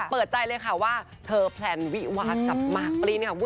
เปิดใจเลยค่ะว่าเธอแพลนวิวากับมากปลิ้นค่ะ